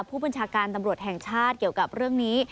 ผู้บัญชาการตำรวจแห่งชาติเกี่ยวกับเรื่องนี้